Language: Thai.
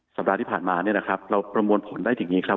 สัปดาห์ที่ผ่านมาเนี่ยนะครับเราประมวลผลได้ถึงนี้ครับ